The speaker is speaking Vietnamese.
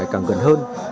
càng gần hơn